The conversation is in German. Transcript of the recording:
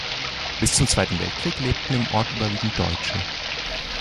Bis zum Zweiten Weltkrieg lebten im Ort überwiegend Deutsche.